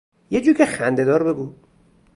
یه جوک خنده دار بگو